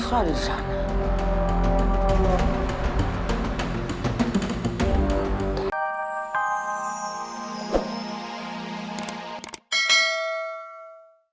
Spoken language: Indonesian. ketika di rumah